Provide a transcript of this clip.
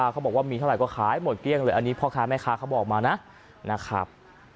เขาบอกว่ามีเท่าไหร่ก็ขายหมดเกลี้ยงเลยอันนี้พ่อค้าแม่ค้าเขาบอกมานะนะครับ